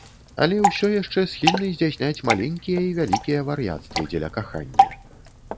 Але ўсё яшчэ схільны здзяйсняць маленькія і вялікія вар'яцтвы дзеля кахання.